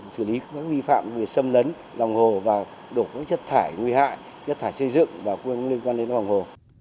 xử lý các vi phạm về xâm lấn lòng hồ và đổ các chất thải nguy hại chất thải xây dựng và liên quan đến lòng hồ